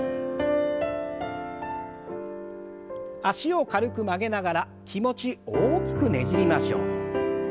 脚を軽く曲げながら気持ち大きくねじりましょう。